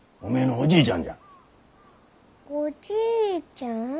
おじいちゃん？